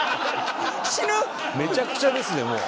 めちゃくちゃですねもう。